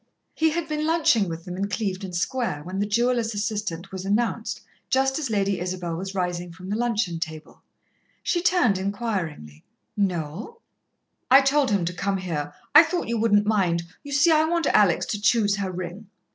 He had been lunching with them in Clevedon Square, when the jeweller's assistant was announced, just as Lady Isabel was rising from the luncheon table. She turned enquiringly. "Noel?" "I told him to come here. I thought you wouldn't mind. You see, I want Alex to choose her ring."